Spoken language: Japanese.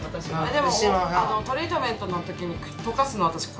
でもトリートメントの時にとかすの私これ。